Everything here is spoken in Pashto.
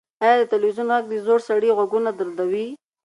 ایا د تلویزیون غږ د زوړ سړي غوږونه دردوي؟